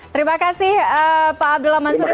terima kasih pak abdul lah mansuri